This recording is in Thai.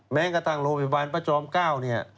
แม้กระทั่งโรงพยาบาลพระจอม๙เนี่ย